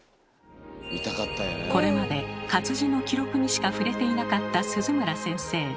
これまで活字の記録にしか触れていなかった鈴村先生。